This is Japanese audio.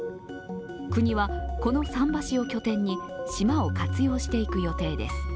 国はこの桟橋を拠点に島を活用していく予定です。